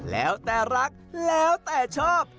แล้วแต่รักแล้วแต่ชอบ